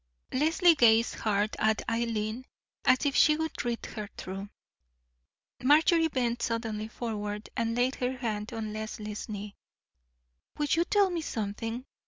Leslie gazed hard at Eileen, as if she would read her through. Marjorie bent suddenly forward and laid her hand on Leslie's knee. "Will you tell me something?"